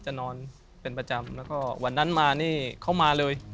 นอนเป็นประจำแล้วก็วันนั้นมานี่เขามาเลย